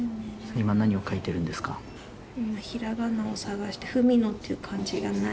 今平仮名を探して「文野」っていう漢字がない。